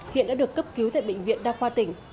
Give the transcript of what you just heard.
hiện đã được cấp cứu tại bệnh viện đa khoa tỉnh